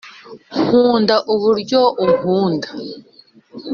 nkunda uburyo unkunda